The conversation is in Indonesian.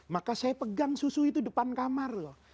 maka saya pegang susu itu depan kamar loh